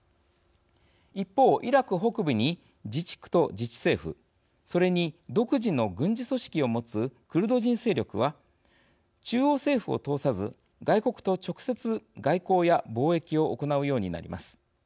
一方、イラク北部に自治区と自治政府、それに独自の軍事組織を持つクルド人勢力は中央政府を通さず外国と直接、外交や貿易を行うようになります。